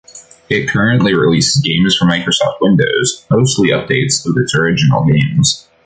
It currently releases games for Microsoft Windows; mostly updates of its original games.